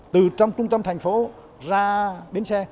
từ trong trung tâm thành phố ra bến xe